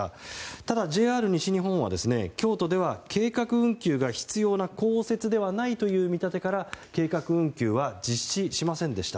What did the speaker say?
ただ、ＪＲ西日本は京都では計画運休が必要な降雪ではないという見立てから計画運休は実施しませんでした。